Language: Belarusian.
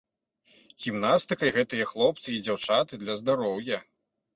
Гімнастыкай гэтыя хлопцы і дзяўчаты для здароўя.